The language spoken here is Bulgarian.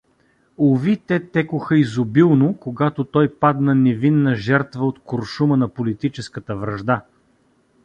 Уви, те текоха изобилно, когато той падна невинна жертва от куршума на политическата вражда!